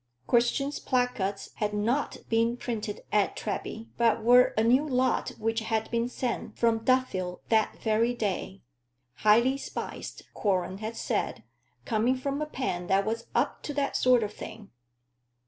Christian's placards had not been printed at Treby, but were a new lot which had been sent from Duffield that very day "highly spiced," Quorlen had said, "coming from a pen that was up to that sort of thing."